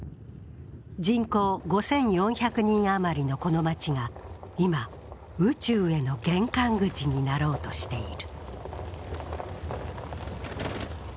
人口５４００人余りのこの町が今、宇宙への玄関口になろうとしている。